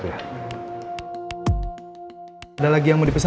aduh gak ada aurigensi